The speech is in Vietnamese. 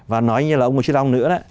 và nói như là ông ngô chí long nữa